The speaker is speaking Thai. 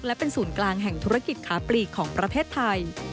และเป็นศูนย์กลางแห่งธุรกิจขาปลีกของประเทศไทย